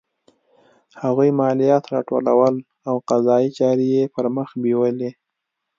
هغوی مالیات راټولول او قضایي چارې یې پرمخ بیولې.